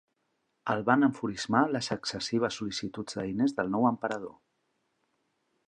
El van enfurismar les excessives sol·licituds de diners del nou emperador.